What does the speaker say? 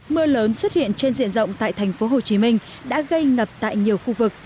mưa lớn xuất hiện trên diện rộng tại thành phố hồ chí minh đã gây ngập tại nhiều khu vực